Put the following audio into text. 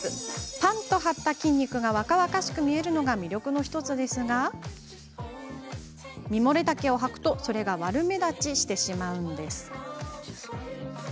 パンっと張った筋肉が若々しく見えるのが魅力の１つですがミモレ丈をはくとそれが悪目立ちしてしまうんです。